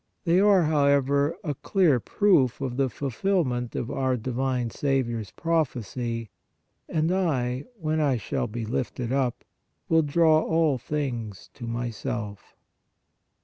They are, however, a clear proof of the fulfilment of our divine Saviour s prophecy :" And I, when I shall be lifted up, will draw all things to Myself."